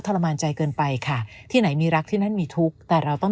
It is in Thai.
ทรมานใจเกินไปค่ะที่ไหนมีรักที่นั่นมีทุกข์แต่เราต้อง